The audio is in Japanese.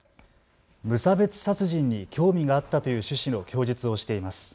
無差別殺人に興味があったという趣旨の供述をしています。